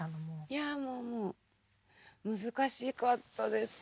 いやもうもう難しかったですよ。